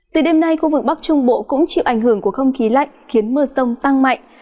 từ đêm nay khu vực bắc trung bộ cũng chịu ảnh hưởng của không khí lạnh khiến mưa sông tăng mạnh